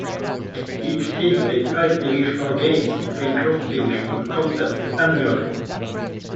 Each team plays five divisional games and three cross-divisional contests annually.